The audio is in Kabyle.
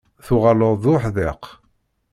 Tuɣaleḍ d uḥdiq.